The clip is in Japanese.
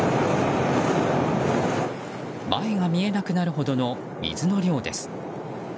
前が見えなくなるほどの水の量です。